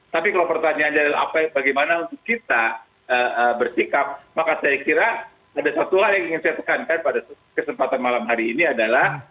tapi kalau pertanyaannya bagaimana untuk kita bersikap maka saya kira ada satulah yang ingin saya tekankan pada kesempatan malam hari ini adalah